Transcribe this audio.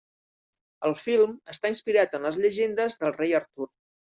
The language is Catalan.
El film està inspirat en les llegendes del rei Artur.